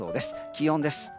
気温です。